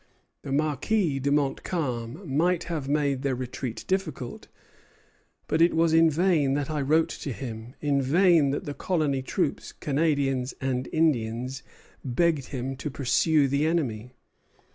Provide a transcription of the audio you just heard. The Marquis de Montcalm might have made their retreat difficult; but it was in vain that I wrote to him, in vain that the colony troops, Canadians and Indians, begged him to pursue the enemy."